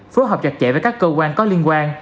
phối hợp chặt chẽ với các cơ quan có liên quan